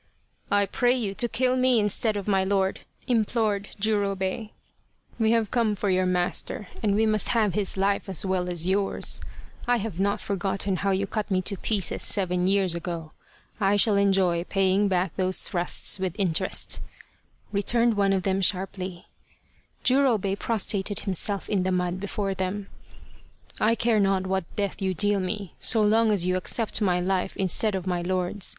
" I pray you to kill me instead of my lord," implored Jurobei. The Quest of the Sword " We have come for your master and we must have his life as well as yours. I have not forgotten how you cut me to pieces seven years ago. I shall enjoy paying back those thrusts with interest," returned one of them sharply. Jurobei prostrated himself in the mud before them. " I care not what death you deal me, so long as you accept my life instead of my lord's.